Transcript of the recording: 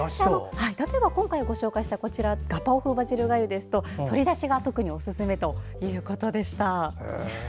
例えば、今回ご紹介したガパオ風バジルがゆですと鶏だしが特におすすめということでした。